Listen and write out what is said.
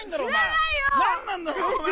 何なんだよ、お前。